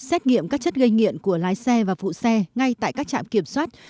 xét nghiệm các chất gây nghiện của lái xe và phụ xe ngay tại các trạm kiểm soát